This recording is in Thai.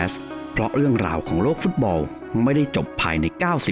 สวัสดีครับผม